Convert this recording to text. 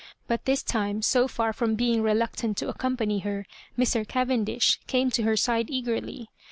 But this time^ so for from being reluctant to accompany her, M>. Cavendish came to her side eagerly.